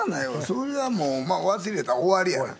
それはもう忘れたら終わりやな。